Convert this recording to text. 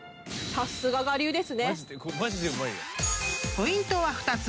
［ポイントは２つ。